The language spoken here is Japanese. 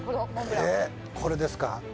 えこれですか？